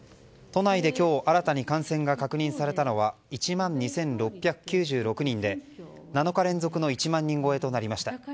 都内で今日新たに感染が確認されたのは１万２６９６人で７日連続の１万人超えとなりました。